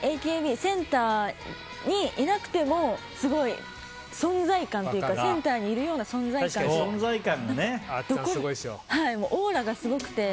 ＡＫＢのセンターにいなくてもすごい存在感というかセンターにいるような存在感がオーラがすごくて。